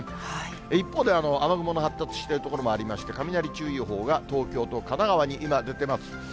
一方で雨雲の発達している所もありまして、雷注意報が東京と神奈川に今、出てます。